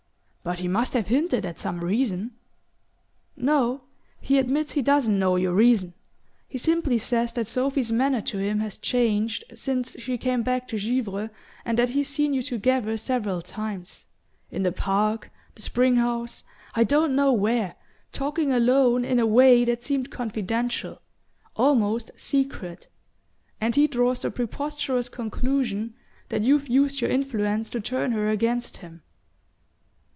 "But he must have hinted at some reason." "No: he admits he doesn't know your reason. He simply says that Sophy's manner to him has changed since she came back to Givre and that he's seen you together several times in the park, the spring house, I don't know where talking alone in a way that seemed confidential almost secret; and he draws the preposterous conclusion that you've used your influence to turn her against him."